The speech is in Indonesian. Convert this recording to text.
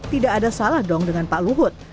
tidak ada salah dong dengan pak luhut